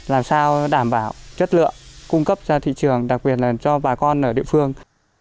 làm sao đảm bảo chất lượng cung cấp ra thị trường đặc biệt là cho bà con ở địa phương